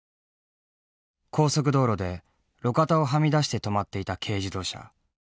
高速道路で路肩をはみ出して止まっていた軽自動車。